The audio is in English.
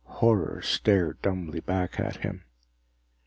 Horror stared dumbly back at him.